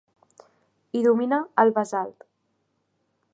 Hi domina el basalt.